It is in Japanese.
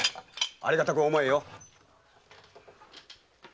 ありがたく思えよ。